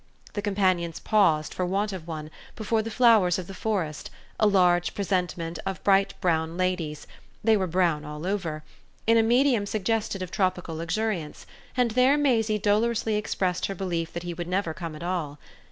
The companions paused, for want of one, before the Flowers of the Forest, a large presentment of bright brown ladies they were brown all over in a medium suggestive of tropical luxuriance, and there Maisie dolorously expressed her belief that he would never come at all.